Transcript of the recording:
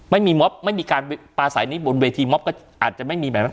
ไม่มีมอบไม่มีการปลาสายนี้บนเวทีม็อบก็อาจจะไม่มีแบบนั้น